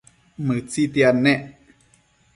Mëtsitiad nec